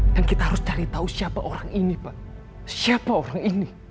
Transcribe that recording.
dan kita harus cari tau siapa orang ini pak siapa orang ini